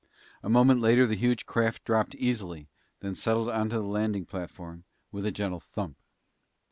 A moment later the huge craft dropped easily, then settled on the landing platform with a gentle thump.